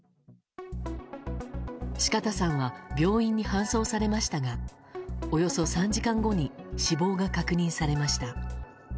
四方さんは病院に搬送されましたがおよそ３時間後に死亡が確認されました。